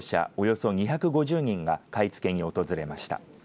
およそ２５０人が買い付けに訪れました。